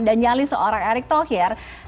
dan nyali seorang erick thohir